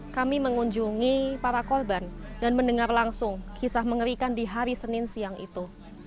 kami mengunjungi para korban dan mendengar langsung kisah mengerikan di hari senin siang itu